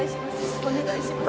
お願いします